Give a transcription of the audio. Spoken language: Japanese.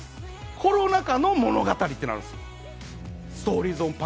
コロナ禍の物語となるんです。